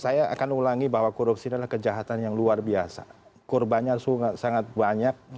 saya akan ulangi bahwa korupsi adalah kejahatan yang luar biasa kurbannya sangat banyak